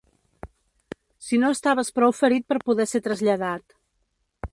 Si no estaves prou ferit per poder ser traslladat